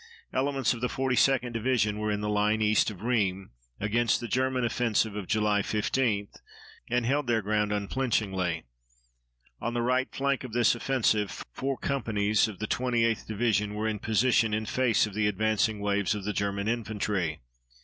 Elements of the 42d Division were in the line east of Rheims against the German offensive of July 15, and held their ground unflinchingly. On the right flank of this offensive four companies of the 28th Division were in position in face of the advancing waves of the German infantry.